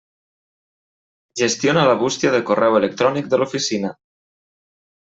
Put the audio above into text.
Gestiona la bústia de correu electrònic de l'Oficina.